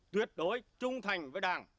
tuyệt đối trung thành với đảng